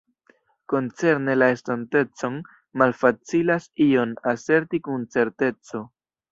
Koncerne la estontecon, malfacilas ion aserti kun certeco.